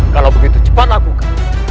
kalau begitu cepat lakukan